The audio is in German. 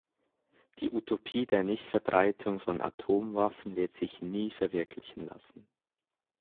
Die Utopie der Nichtverbreitung von Atomwaffen wird sich nie verwirklichen lassen.